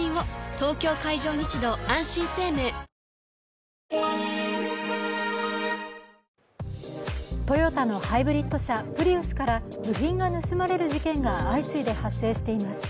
東京海上日動あんしん生命トヨタのハイブリッド車、プリウスから部品が盗まれる事件が相次いで発生しています。